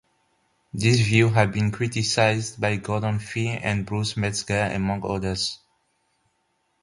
This view has been criticized by Gordon Fee and Bruce Metzger among others.